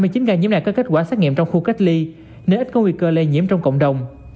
hai mươi chín ca nhiễm này có kết quả xét nghiệm trong khu cách ly nên ít có nguy cơ lây nhiễm trong cộng đồng